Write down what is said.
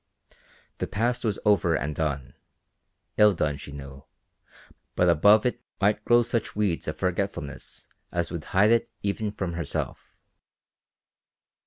The past was over and done, ill done, she knew, but above it might grow such weeds of forgetfulness as would hide it even from herself.